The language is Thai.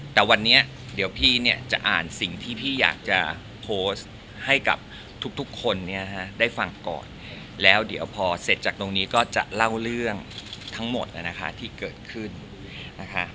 แต่วันนี้เดี๋ยวพี่เนี่ยจะอ่านสิ่งที่พี่อยากจะโพสต์ให้กับทุกคนเนี่ยนะคะได้ฟังก่อนแล้วเดี๋ยวพอเสร็จจากตรงนี้ก็จะเล่าเรื่องทั้งหมดนะคะที่เกิดขึ้นนะคะ